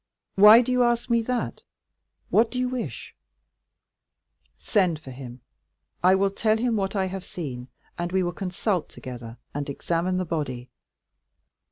"Why do you ask me that?—what do you wish?" "Send for him; I will tell him what I have seen, and we will consult together, and examine the body."